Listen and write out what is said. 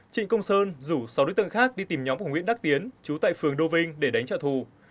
trịnh công sơn rủ sáu đối tượng khác đi tìm nhóm của nguyễn đắc tiến chú tại phường đô vinh để đánh trợ thù